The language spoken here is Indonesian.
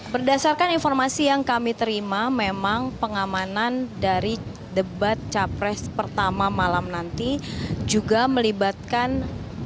berdasarkan informasi yang kami terima memang pengamanan dari debat capres pertama malam nanti juga melibatkan hingga dua ribu persiapan